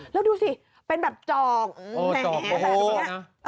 แล้วดูสิเป็นแบบจอกแหนงแผน